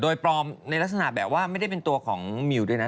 โดยปลอมในลักษณะแบบว่าไม่ได้เป็นตัวของมิวด้วยนะ